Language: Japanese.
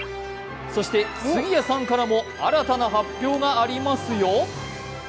そして杉谷さんからも新たな発表がありますよ。